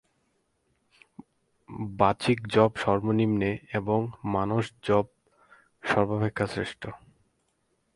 বাচিক জপ সর্বনিম্নে এবং মানস জপ সর্বাপেক্ষা শ্রেষ্ঠ।